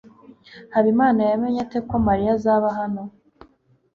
habimana yamenye ate ko mariya azaba hano